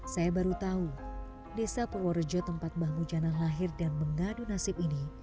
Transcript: saya baru tahu desa purworejo tempat mbah mujana lahir dan mengadu nasib ini